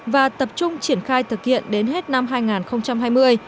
và tập trung triển khai thực hiện đến hết năm hai nghìn hai mươi